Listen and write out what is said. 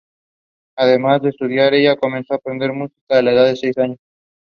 Repeatedly performed the tasks of military service in the Baltic and North Seas.